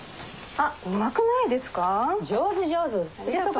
あっうまくないですか？